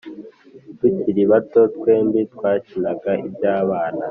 Tukiri bato twembi twakinaga ibyabana